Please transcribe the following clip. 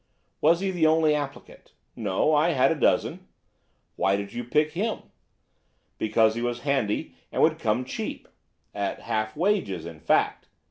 "Was he the only applicant?" "No, I had a dozen." "Why did you pick him?" "Because he was handy and would come cheap." "At half wages, in fact."